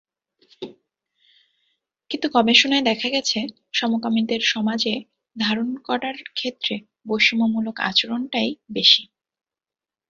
কিন্তু গবেষণায় দেখা গেছে, সমকামীদের সমাজে ধারণ করার ক্ষেত্রে বৈষম্যমূলক আচরণটাই বেশি।